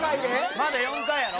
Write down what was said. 「まだ４回やろ？」